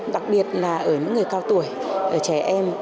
đặc biệt là ở những người cao tuổi trẻ em